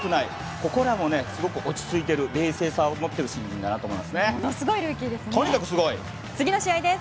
ここらもすごく落ち着いている冷静さを持っているシーンです。